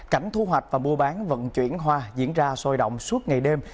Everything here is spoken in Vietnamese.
cảnh thu hoạch và mua bán vận chuyển hoa diễn ra sôi động suốt ngày đêm